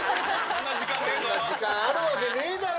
そんな時間あるわけねぇだろ。